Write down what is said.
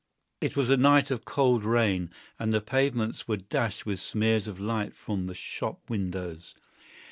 It was a night of cold rain, and the pavements were dashed with smears of light from the shop windows.